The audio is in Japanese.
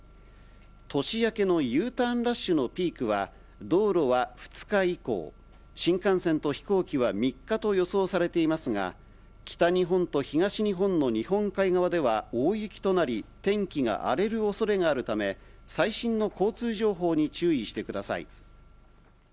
年明けのＵターンラッシュのピークは、道路は２日以降、新幹線と飛行機は３日と予想されていますが、北日本と東日本の日本海側では大雪となり、天気が荒れるおそれがあるため、最新の交通情報に注意してください。